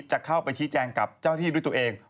จะเข้าไปชี้แจงกับเจ้าที่ด้วยตัวเอง